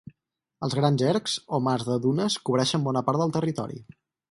Els grans ergs o mars de dunes cobreixen bona part del territori.